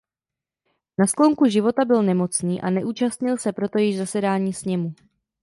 Na sklonku života byl nemocný a neúčastnil se proto již zasedání sněmu.